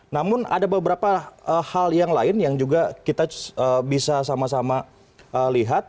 namun ada beberapa hal yang lain yang juga kita bisa sama sama lihat